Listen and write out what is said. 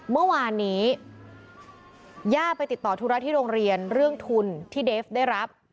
เมื่อวานนี้ย่าไปติดต่อธุระที่โรงเรียนเรื่องทุนที่เดฟได้รับ